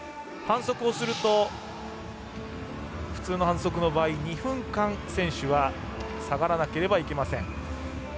反則をすると、普通の反則の場合２分間、選手は下がらなければいけません。